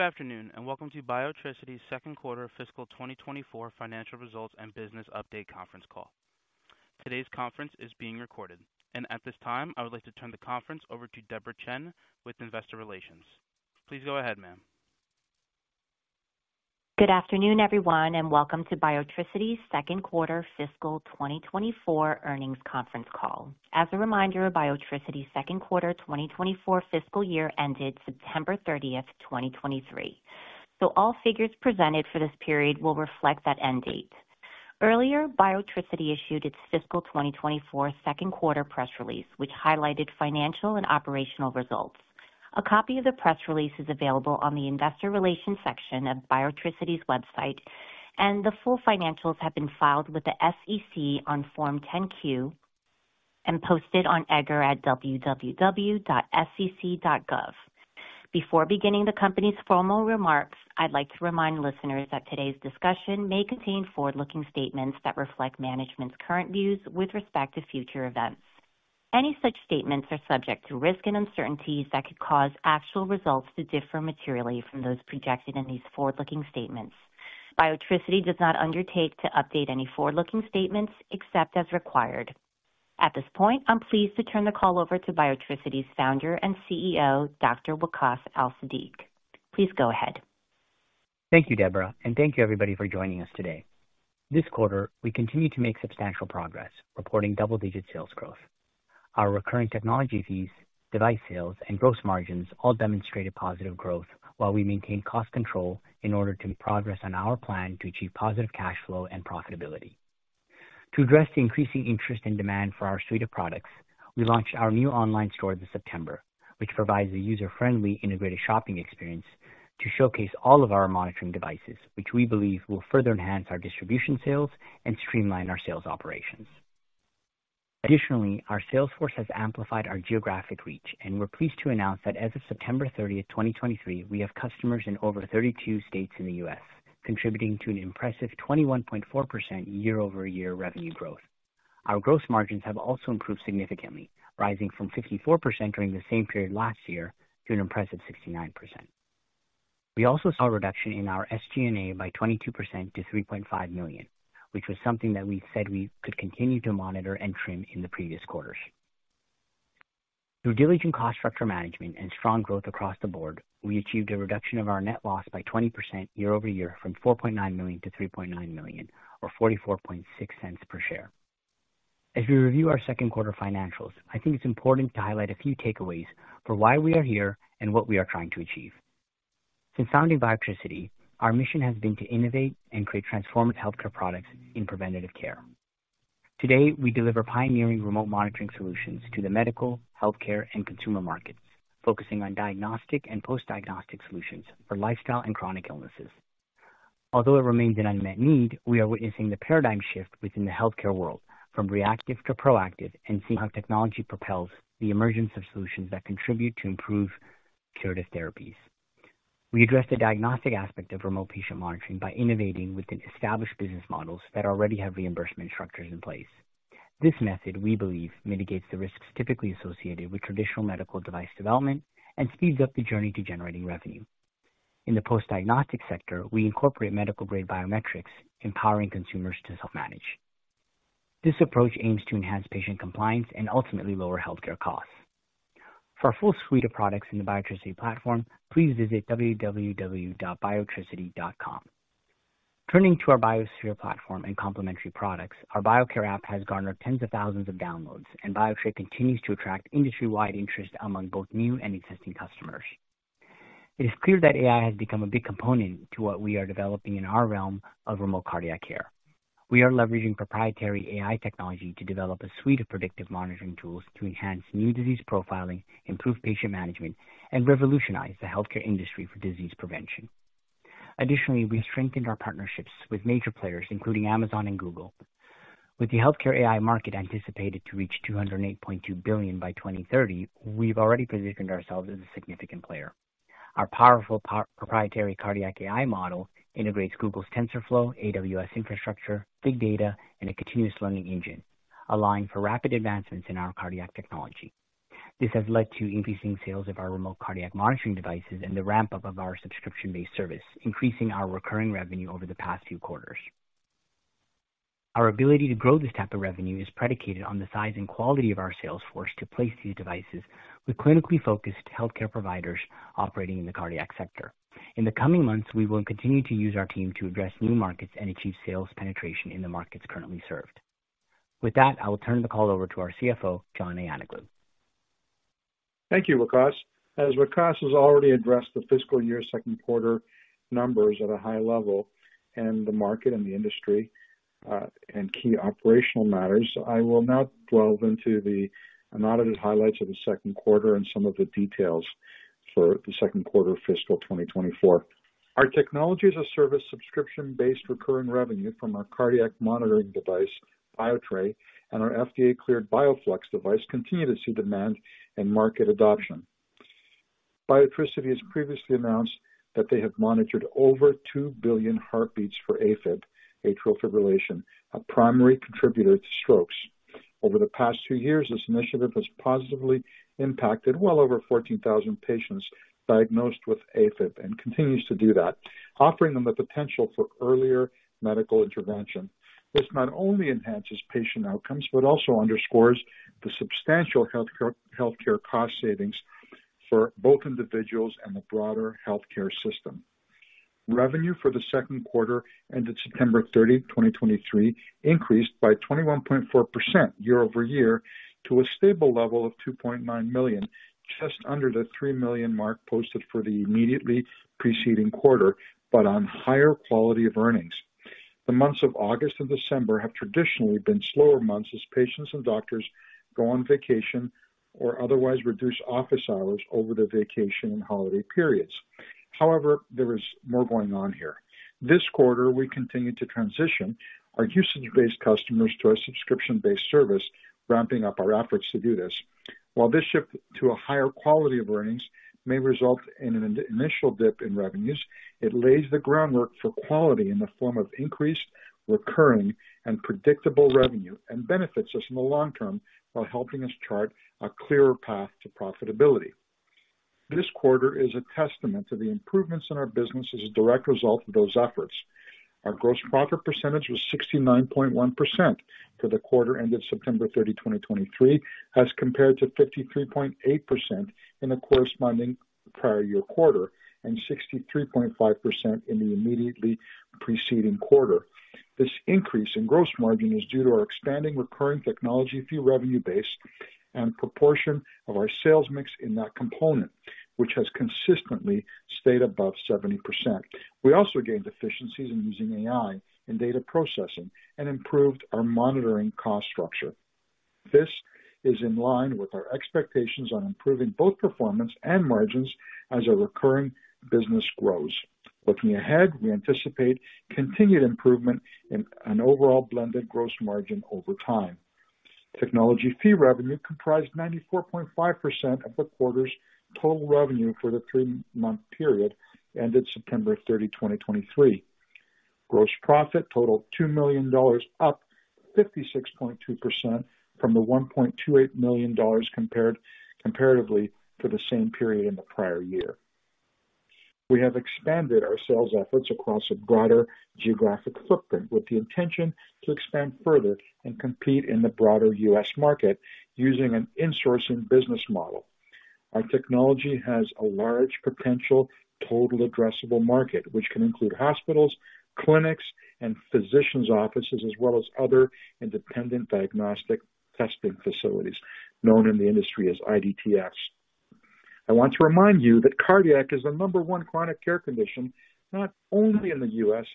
Good afternoon, and welcome to Biotricity's second quarter fiscal 2024 financial results and business update conference call. Today's conference is being recorded, and at this time, I would like to turn the conference over to Debra Chen with Investor Relations. Please go ahead, ma'am. Good afternoon, everyone, and welcome to Biotricity's second quarter fiscal 2024 earnings conference call. As a reminder, Biotricity's second quarter 2024 fiscal year ended September 30, 2023. So all figures presented for this period will reflect that end date. Earlier, Biotricity issued its fiscal 2024 second quarter press release, which highlighted financial and operational results. A copy of the press release is available on the Investor Relations section of Biotricity's website, and the full financials have been filed with the SEC on Form 10-Q and posted on EDGAR at www.sec.gov. Before beginning the company's formal remarks, I'd like to remind listeners that today's discussion may contain forward-looking statements that reflect management's current views with respect to future events. Any such statements are subject to risks and uncertainties that could cause actual results to differ materially from those projected in these forward-looking statements. Biotricity does not undertake to update any forward-looking statements except as required. At this point, I'm pleased to turn the call over to Biotricity's founder and CEO, Dr. Waqaas Al-Siddiq. Please go ahead. Thank you, Debra, and thank you, everybody, for joining us today. This quarter, we continued to make substantial progress, reporting double-digit sales growth. Our recurring technology fees, device sales, and gross margins all demonstrated positive growth while we maintained cost control in order to make progress on our plan to achieve positive cash flow and profitability. To address the increasing interest and demand for our suite of products, we launched our new online store in September, which provides a user-friendly, integrated shopping experience to showcase all of our monitoring devices, which we believe will further enhance our distribution sales and streamline our sales operations. Additionally, our sales force has amplified our geographic reach, and we're pleased to announce that as of September 30, 2023, we have customers in over 32 states in the U.S., contributing to an impressive 21.4% year-over-year revenue growth. Our gross margins have also improved significantly, rising from 54% during the same period last year to an impressive 69%. We also saw a reduction in our SG&A by 22% to $3.5 million, which was something that we said we could continue to monitor and trim in the previous quarters. Through diligent cost structure management and strong growth across the board, we achieved a reduction of our net loss by 20% year-over-year, from $4.9 million-$3.9 million, or $0.446 per share. As we review our second quarter financials, I think it's important to highlight a few takeaways for why we are here and what we are trying to achieve. Since founding Biotricity, our mission has been to innovate and create transformative healthcare products in preventative care. Today, we deliver pioneering remote monitoring solutions to the medical, healthcare, and consumer markets, focusing on diagnostic and post-diagnostic solutions for lifestyle and chronic illnesses. Although it remains an unmet need, we are witnessing the paradigm shift within the healthcare world from reactive to proactive, and seeing how technology propels the emergence of solutions that contribute to improved curative therapies. We address the diagnostic aspect of remote patient monitoring by innovating within established business models that already have reimbursement structures in place. This method, we believe, mitigates the risks typically associated with traditional medical device development and speeds up the journey to generating revenue. In the post-diagnostic sector, we incorporate medical-grade biometrics, empowering consumers to self-manage. This approach aims to enhance patient compliance and ultimately lower healthcare costs. For our full suite of products in the Biotricity platform, please visit www.biotricity.com. Turning to our Biosphere platform and complementary products, our Biocare app has garnered tens of thousands of downloads, and Biotres continues to attract industry-wide interest among both new and existing customers. It is clear that AI has become a big component to what we are developing in our realm of remote cardiac care. We are leveraging proprietary AI technology to develop a suite of predictive monitoring tools to enhance new disease profiling, improve patient management, and revolutionize the healthcare industry for disease prevention. Additionally, we strengthened our partnerships with major players, including Amazon and Google. With the healthcare AI market anticipated to reach $208.2 billion by 2030, we've already positioned ourselves as a significant player. Our powerful proprietary cardiac AI model integrates Google's TensorFlow, AWS infrastructure, big data, and a continuous learning engine, allowing for rapid advancements in our cardiac technology. This has led to increasing sales of our remote cardiac monitoring devices and the ramp-up of our subscription-based service, increasing our recurring revenue over the past few quarters. Our ability to grow this type of revenue is predicated on the size and quality of our sales force to place these devices with clinically focused healthcare providers operating in the cardiac sector. In the coming months, we will continue to use our team to address new markets and achieve sales penetration in the markets currently served. With that, I will turn the call over to our CFO, John Ayanoglou. Thank you, Waqaas. As Waqaas has already addressed, the fiscal year second quarter numbers at a high level and the market and the industry, and key operational matters, I will not delve into the unaudited highlights of the second quarter and some of the details for the second quarter of fiscal 2024. Our Technology-as-a-Service subscription-based recurring revenue from our cardiac monitoring device, Biotres, and our FDA-cleared Bioflux device continue to see demand and market adoption. Biotricity has previously announced that they have monitored over 2 billion heartbeats for AFib, atrial fibrillation, a primary contributor to strokes. Over the past two years, this initiative has positively impacted well over 14,000 patients diagnosed with AFib, and continues to do that, offering them the potential for earlier medical intervention. This not only enhances patient outcomes, but also underscores the substantial healthcare, healthcare cost savings for both individuals and the broader healthcare system. Revenue for the second quarter, ended September 30, 2023, increased by 21.4% year-over-year to a stable level of $2.9 million, just under the $3 million mark posted for the immediately preceding quarter, but on higher quality of earnings. The months of August and December have traditionally been slower months as patients and doctors go on vacation or otherwise reduce office hours over the vacation and holiday periods. However, there is more going on here. This quarter, we continued to transition our usage-based customers to our subscription-based service, ramping up our efforts to do this. While this shift to a higher quality of earnings may result in an initial dip in revenues, it lays the groundwork for quality in the form of increased recurring and predictable revenue, and benefits us in the long term while helping us chart a clearer path to profitability. This quarter is a testament to the improvements in our business as a direct result of those efforts. Our gross profit percentage was 69.1% for the quarter ended September 30, 2023, as compared to 53.8% in the corresponding prior year quarter, and 63.5% in the immediately preceding quarter. This increase in gross margin is due to our expanding recurring technology fee revenue base and proportion of our sales mix in that component, which has consistently stayed above 70%. We also gained efficiencies in using AI in data processing and improved our monitoring cost structure. This is in line with our expectations on improving both performance and margins as our recurring business grows. Looking ahead, we anticipate continued improvement in an overall blended gross margin over time. Technology fee revenue comprised 94.5% of the quarter's total revenue for the three-month period ended September 30, 2023. Gross profit totaled $2 million, up 56.2% from the $1.28 million comparatively to the same period in the prior year. We have expanded our sales efforts across a broader geographic footprint, with the intention to expand further and compete in the broader U.S. market using an insourcing business model. Our technology has a large potential total addressable market, which can include hospitals, clinics, and physicians' offices, as well as other Independent Diagnostic Testing Facilities, known in the industry as IDTF. I want to remind you that cardiac is the number one chronic care condition, not only in the U.S.,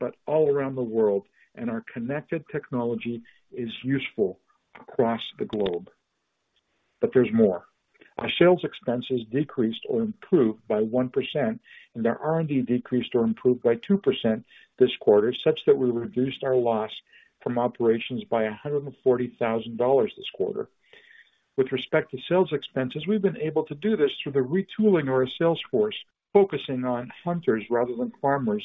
but all around the world, and our connected technology is useful across the globe. But there's more. Our sales expenses decreased or improved by 1%, and our R&D decreased or improved by 2% this quarter, such that we reduced our loss from operations by $140,000 this quarter. With respect to sales expenses, we've been able to do this through the retooling of our sales force, focusing on hunters rather than farmers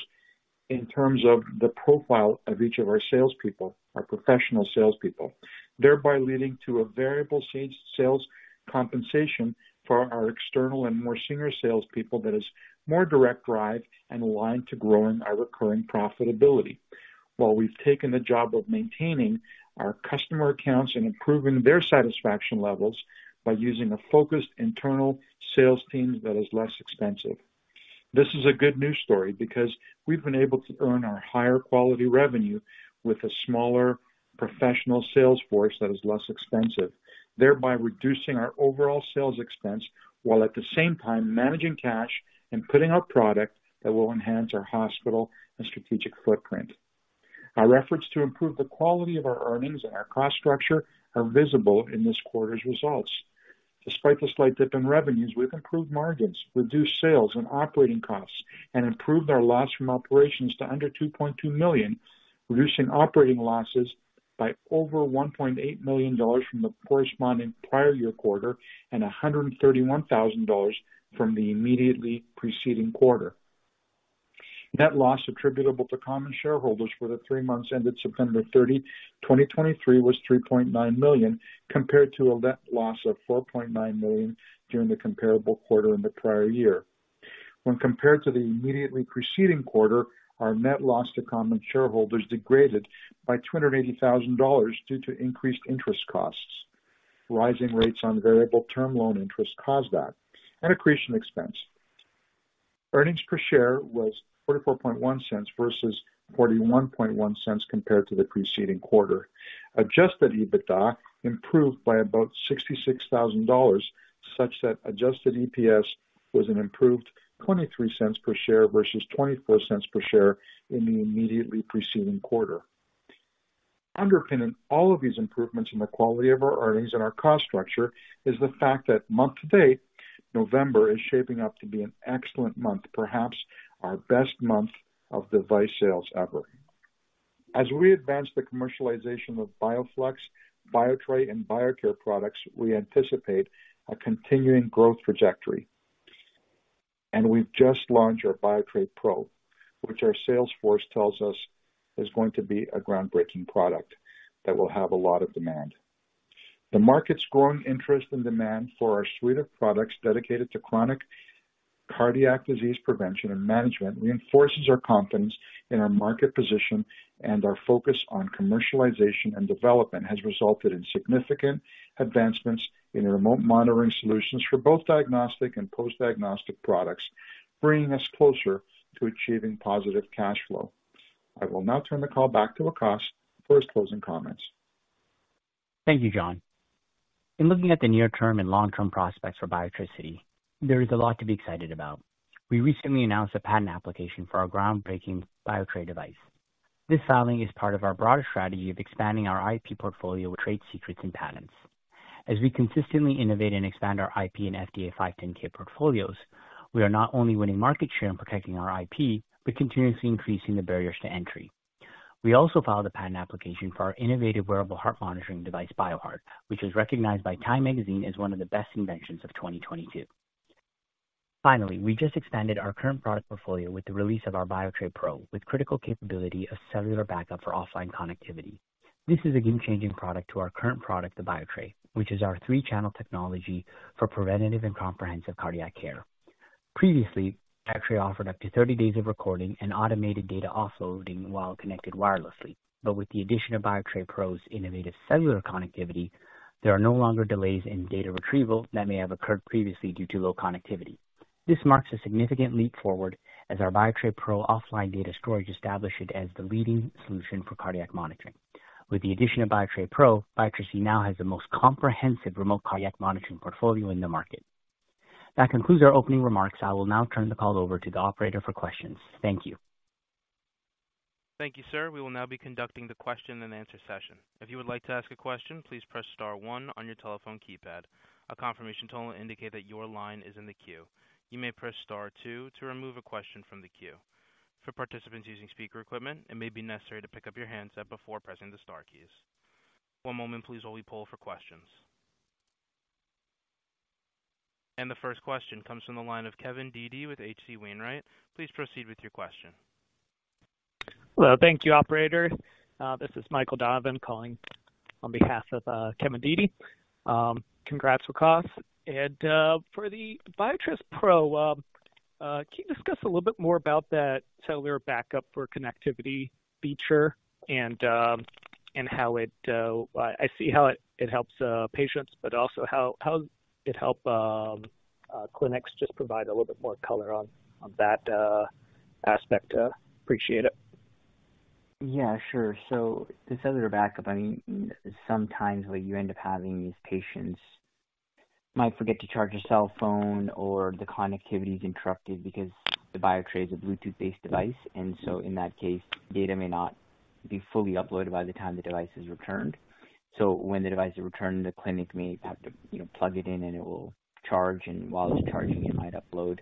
in terms of the profile of each of our salespeople, our professional salespeople, thereby leading to a variable sales compensation for our external and more senior salespeople that is more direct drive and aligned to growing our recurring profitability. While we've taken the job of maintaining our customer accounts and improving their satisfaction levels by using a focused internal sales team that is less expensive. This is a good news story because we've been able to earn our higher quality revenue with a smaller professional sales force that is less expensive, thereby reducing our overall sales expense, while at the same time managing cash and putting out product that will enhance our hospital and strategic footprint. Our efforts to improve the quality of our earnings and our cost structure are visible in this quarter's results. Despite the slight dip in revenues, we've improved margins, reduced sales and operating costs, and improved our loss from operations to under $2.2 million, reducing operating losses by over $1.8 million from the corresponding prior year quarter and $131,000 from the immediately preceding quarter. Net loss attributable to common shareholders for the three months ended September 30, 2023, was $3.9 million, compared to a net loss of $4.9 million during the comparable quarter in the prior year. When compared to the immediately preceding quarter, our net loss to common shareholders degraded by $280,000 due to increased interest costs. Rising rates on variable term loan interest caused that, and accretion expense. Earnings per share was $0.441 versus $0.411 compared to the preceding quarter. Adjusted EBITDA improved by about $66,000, such that adjusted EPS was an improved $0.23 per share versus $0.24 per share in the immediately preceding quarter. Underpinning all of these improvements in the quality of our earnings and our cost structure is the fact that month to date, November, is shaping up to be an excellent month, perhaps our best month of device sales ever. As we advance the commercialization of Bioflux, Biotres, and Biocare products, we anticipate a continuing growth trajectory... and we've just launched our Biotres Pro, which our sales force tells us is going to be a groundbreaking product that will have a lot of demand. The market's growing interest and demand for our suite of products dedicated to chronic cardiac disease prevention and management reinforces our confidence in our market position, and our focus on commercialization and development has resulted in significant advancements in remote monitoring solutions for both diagnostic and post-diagnostic products, bringing us closer to achieving positive cash flow. I will now turn the call back to Waqaas for his closing comments. Thank you, John. In looking at the near-term and long-term prospects for Biotricity, there is a lot to be excited about. We recently announced a patent application for our groundbreaking Biotres device. This filing is part of our broader strategy of expanding our IP portfolio with trade secrets and patents. As we consistently innovate and expand our IP and FDA 510(k) portfolios, we are not only winning market share and protecting our IP, but continuously increasing the barriers to entry. We also filed a patent application for our innovative wearable heart monitoring device, Bioheart, which was recognized by Time Magazine as one of the best inventions of 2022. Finally, we just expanded our current product portfolio with the release of our Biotres Pro, with critical capability of cellular backup for offline connectivity. This is a game-changing product to our current product, the Biotres, which is our 3-channel technology for preventative and comprehensive cardiac care. Previously, Biotres offered up to 30 days of recording and automated data offloading while connected wirelessly, but with the addition of Biotres Pro's innovative cellular connectivity, there are no longer delays in data retrieval that may have occurred previously due to low connectivity. This marks a significant leap forward as our Biotres Pro offline data storage establish it as the leading solution for cardiac monitoring. With the addition of Biotres Pro, Biotricity now has the most comprehensive remote cardiac monitoring portfolio in the market. That concludes our opening remarks. I will now turn the call over to the operator for questions. Thank you. Thank you, sir. We will now be conducting the question and answer session. If you would like to ask a question, please press star one on your telephone keypad. A confirmation tone will indicate that your line is in the queue. You may press star two to remove a question from the queue. For participants using speaker equipment, it may be necessary to pick up your handset before pressing the star keys. One moment please, while we poll for questions. The first question comes from the line of Kevin Dede with H.C. Wainwright. Please proceed with your question. Well, thank you, operator. This is Michael Donovan, calling on behalf of Kevin Dede. Congrats, Waqaas. For the Biotres Pro, can you discuss a little bit more about that cellular backup for connectivity feature and I see how it helps patients, but also how it helps clinics? Just provide a little bit more color on that aspect. Appreciate it. Yeah, sure. So this other backup, I mean, sometimes where you end up having these patients might forget to charge a cell phone or the connectivity is interrupted because the Biotres is a Bluetooth-based device, and so in that case, data may not be fully uploaded by the time the device is returned. So when the device is returned, the clinic may have to, you know, plug it in and it will charge, and while it's charging, it might upload,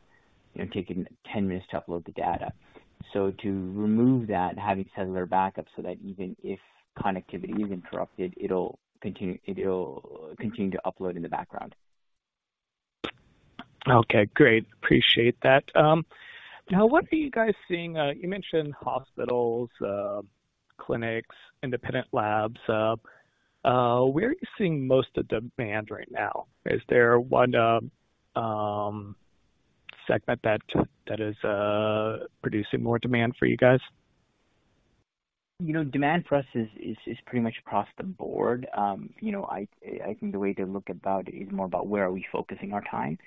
you know, taking 10 minutes to upload the data. So to remove that, having cellular backup so that even if connectivity is interrupted, it'll continue, it'll continue to upload in the background. Okay, great. Appreciate that. Now, what are you guys seeing? You mentioned hospitals, clinics, independent labs. Where are you seeing most of the demand right now? Is there one segment that is producing more demand for you guys? You know, demand for us is pretty much across the board. You know, I think the way to look about it is more about where are we focusing our time.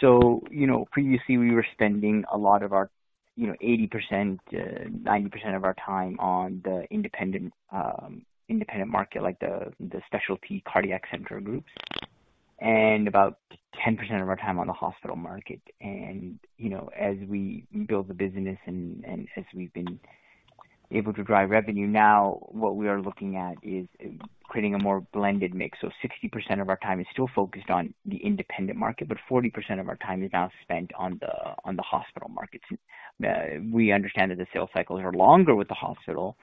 So, you know, previously we were spending a lot of our, you know, 80%, 90% of our time on the independent, independent market, like the specialty cardiac center groups, and about 10% of our time on the hospital market. You know, as we build the business and as we've been able to drive revenue, now what we are looking at is creating a more blended mix. So 60% of our time is still focused on the independent market, but 40% of our time is now spent on the hospital markets. We understand that the sales cycles are longer with the hospital,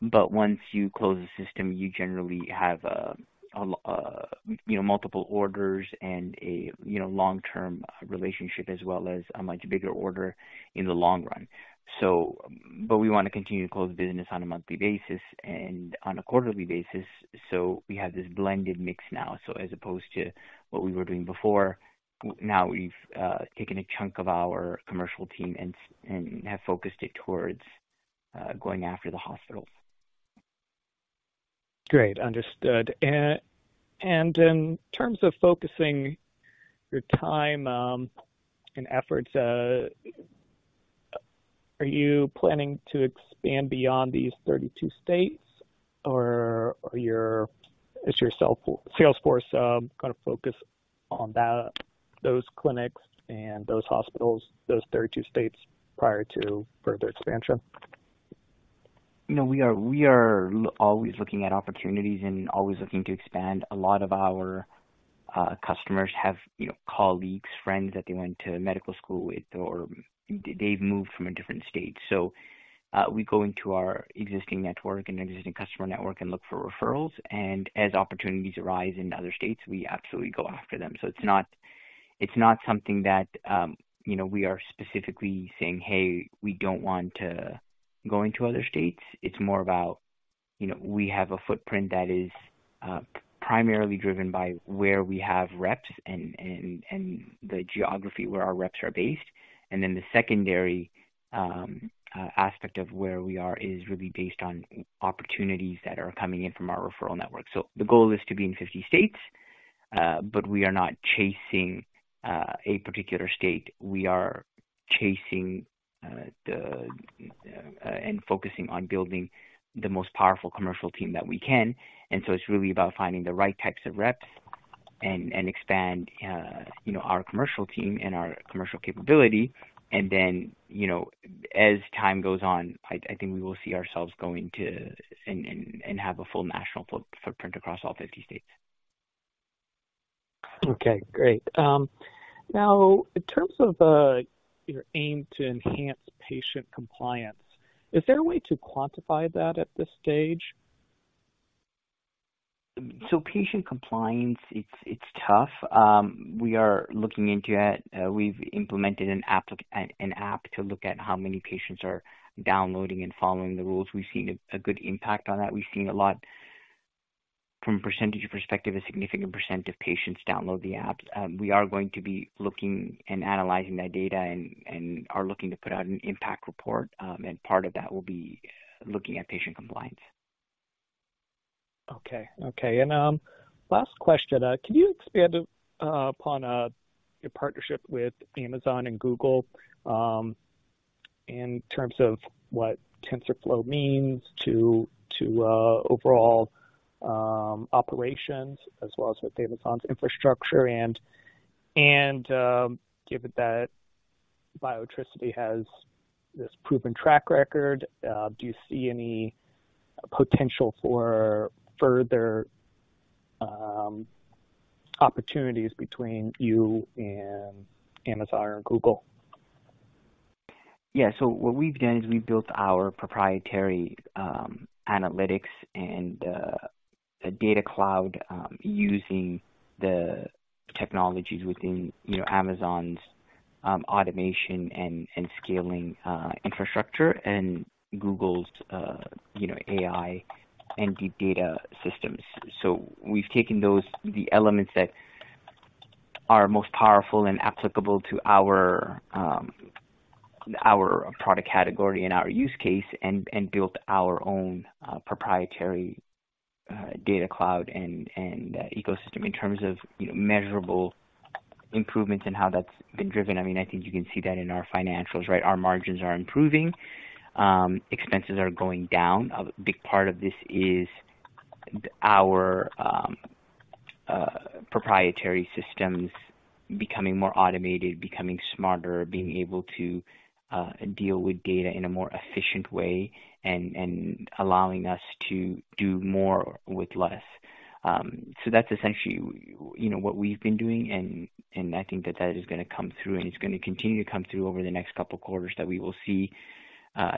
but once you close the system, you generally have a you know, multiple orders and a you know, long-term relationship as well as a much bigger order in the long run. So, but we want to continue to close business on a monthly basis and on a quarterly basis. So we have this blended mix now. So as opposed to what we were doing before, now we've taken a chunk of our commercial team and have focused it towards going after the hospitals. Great, understood. And, and in terms of focusing your time, and efforts, are you planning to expand beyond these 32 states, or, is your sales force gonna focus on that, those clinics and those hospitals, those 32 states prior to further expansion? You know, we are always looking at opportunities and always looking to expand. A lot of our customers have, you know, colleagues, friends that they went to medical school with or they've moved from a different state. So, we go into our existing network and existing customer network and look for referrals, and as opportunities arise in other states, we absolutely go after them. So it's not something that, you know, we are specifically saying, "Hey, we don't want to go into other states." It's more about, you know, we have a footprint that is primarily driven by where we have reps and the geography where our reps are based. And then the secondary aspect of where we are is really based on opportunities that are coming in from our referral network. So the goal is to be in 50 states, but we are not chasing a particular state. We are chasing and focusing on building the most powerful commercial team that we can. And so it's really about finding the right types of reps and expand, you know, our commercial team and our commercial capability. And then, you know, as time goes on, I think we will see ourselves going to and have a full national footprint across all 50 states. Okay, great. Now, in terms of, your aim to enhance patient compliance, is there a way to quantify that at this stage? So patient compliance, it's tough. We are looking into it. We've implemented an app to look at how many patients are downloading and following the rules. We've seen a good impact on that. We've seen a lot, from a percentage perspective, a significant percent of patients download the app. We are going to be looking and analyzing that data and are looking to put out an impact report. And part of that will be looking at patient compliance. Okay. Okay, and last question. Can you expand upon your partnership with Amazon and Google, in terms of what TensorFlow means to overall operations as well as with Amazon's infrastructure? And, given that Biotricity has this proven track record, do you see any potential for further opportunities between you and Amazon or Google? Yeah. So what we've done is we've built our proprietary, analytics and, a data cloud, using the technologies within, you know, Amazon's, automation and, and scaling, infrastructure and Google's, you know, AI and deep data systems. So we've taken those, the elements that are most powerful and applicable to our, our product category and our use case, and, and built our own, proprietary, data cloud and, and ecosystem. In terms of, you know, measurable improvements and how that's been driven, I mean, I think you can see that in our financials, right? Our margins are improving, expenses are going down. A big part of this is our, proprietary systems becoming more automated, becoming smarter, being able to, deal with data in a more efficient way and, and allowing us to do more with less. So that's essentially, you know, what we've been doing, and, and I think that that is gonna come through, and it's gonna continue to come through over the next couple of quarters, that we will see,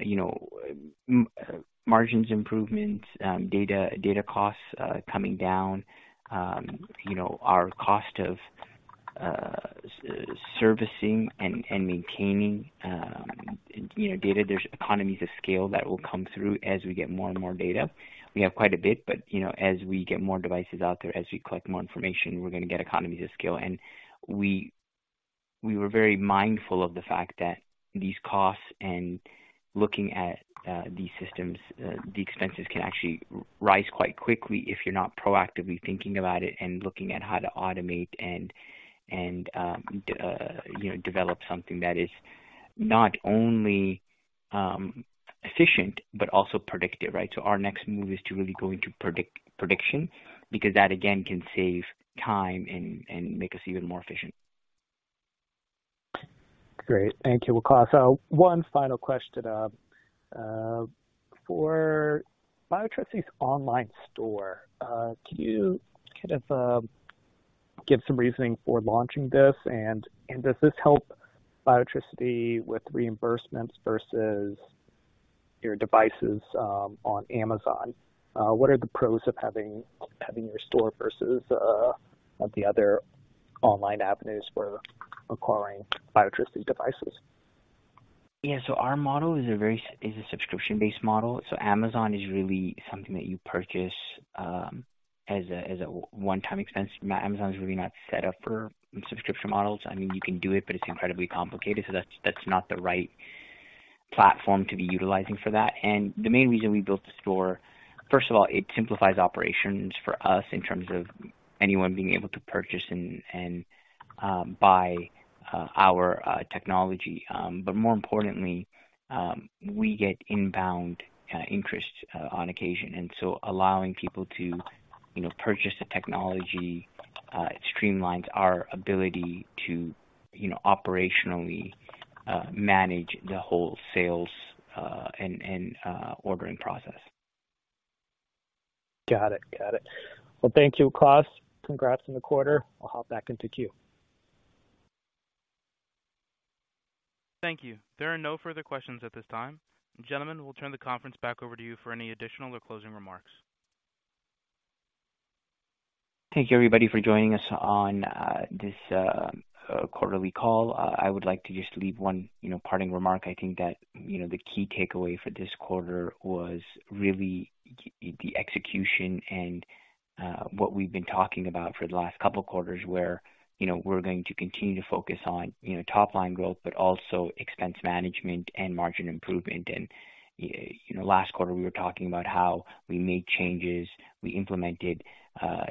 you know, margins improvements, data, data costs, coming down. You know, our cost of, servicing and, and maintaining, you know, data. There's economies of scale that will come through as we get more and more data. We have quite a bit, but, you know, as we get more devices out there, as we collect more information, we're gonna get economies of scale. And we were very mindful of the fact that these costs and looking at these systems, the expenses can actually rise quite quickly if you're not proactively thinking about it and looking at how to automate and you know develop something that is not only efficient, but also predictive, right? So our next move is to really go into prediction, because that, again, can save time and make us even more efficient. Great. Thank you, Waqaas. So one final question. For Biotricity's online store, can you kind of give some reasoning for launching this? And does this help Biotricity with reimbursements versus your devices on Amazon? What are the pros of having your store versus the other online avenues for acquiring Biotricity devices? Yeah. So our model is a very subscription-based model, so Amazon is really something that you purchase as a one-time expense. Amazon is really not set up for subscription models. I mean, you can do it, but it's incredibly complicated, so that's not the right platform to be utilizing for that. And the main reason we built the store, first of all, it simplifies operations for us in terms of anyone being able to purchase and buy our technology. But more importantly, we get inbound interest on occasion, and so allowing people to, you know, purchase the technology, it streamlines our ability to, you know, operationally manage the whole sales and ordering process. Got it. Got it. Well, thank you, Waqaas. Congrats on the quarter. I'll hop back into queue. Thank you. There are no further questions at this time. Gentlemen, we'll turn the conference back over to you for any additional or closing remarks. Thank you, everybody, for joining us on this quarterly call. I would like to just leave one, you know, parting remark. I think that, you know, the key takeaway for this quarter was really the execution and what we've been talking about for the last couple of quarters, where, you know, we're going to continue to focus on, you know, top-line growth, but also expense management and margin improvement. And, you know, last quarter, we were talking about how we made changes, we implemented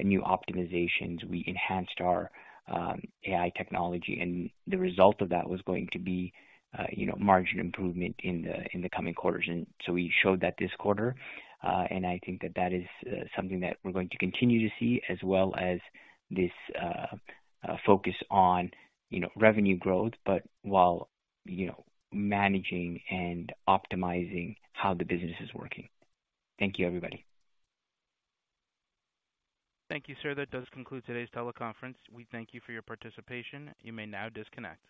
new optimizations, we enhanced our AI technology, and the result of that was going to be, you know, margin improvement in the coming quarters. And so we showed that this quarter, and I think that that is something that we're going to continue to see, as well as this focus on, you know, revenue growth, but while, you know, managing and optimizing how the business is working. Thank you, everybody. Thank you, sir. That does conclude today's teleconference. We thank you for your participation. You may now disconnect.